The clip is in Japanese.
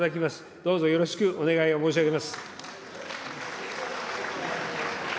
どうぞよろしくお願いを申し上げます。